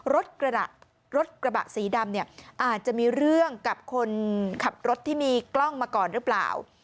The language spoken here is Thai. รถกระบะรถกระบะสีดำเนี่ยอาจจะมีเรื่องกับคนขับรถที่มีกล้องมาก่อนหรือเปล่า